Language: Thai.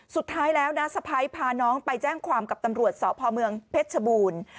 สุดท้ายแล้วนะสะพ้ายพาน้องไปแจ้งความกับตำรวจสพเมืองเพชรชบูรณ์